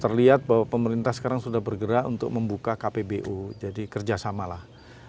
terlihat bahwa pemerintah sekarang sudah bergerak untuk membuka kpbu jadi kerjasama lah